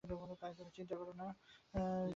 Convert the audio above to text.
তাই, তুমি চিন্তা কোরো না।